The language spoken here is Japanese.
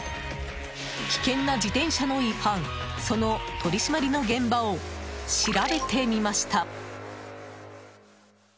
危険な自転車の違反その取り締まりの現場を調べてみました。